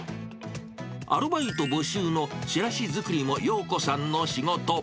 アルバイト募集のチラシ作りもようこさんの仕事。